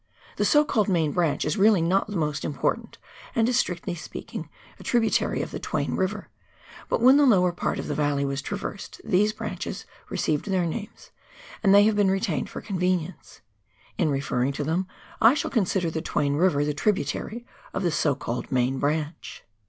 The so called main branch is really not the most important, and is, strictly speaking, a tributary of the Twain River, but when the lower part of the valley was traversed, these branches received their names, and they have been retained for convenience ; in re ferring to them I shall consider the Twain River the tributary of the so called main branch.